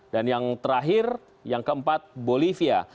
dan yang terakhir yang keempat bolivia